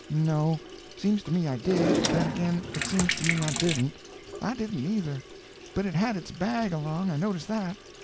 "No—seems to me I did, then again it seems to me I didn't." "I didn't either; but it had its bag along, I noticed that."